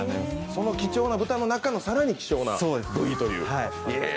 その貴重な豚の中の更に希少な部位という。